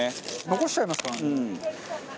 残しちゃいますからね。